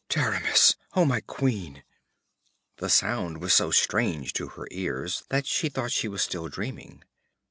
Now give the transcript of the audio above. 'Taramis! Oh, my Queen!' The sound was so strange to her ears that she thought she was still dreaming.